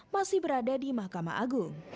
masih berada di mahkamah agung